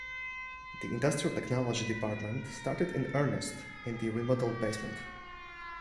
The industrial technology department started in earnest in the remodeled basement.